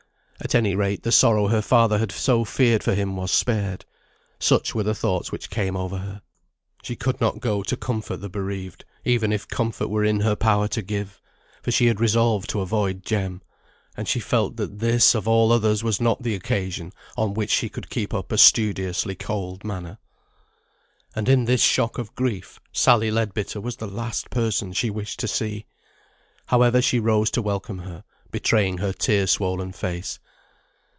At any rate the sorrow her father had so feared for him was spared. Such were the thoughts which came over her. She could not go to comfort the bereaved, even if comfort were in her power to give; for she had resolved to avoid Jem; and she felt that this of all others was not the occasion on which she could keep up a studiously cold manner. And in this shock of grief, Sally Leadbitter was the last person she wished to see. However, she rose to welcome her, betraying her tear swollen face.